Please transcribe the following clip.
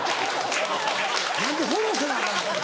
何でフォローせなアカン。